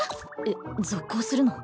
えっ続行するの？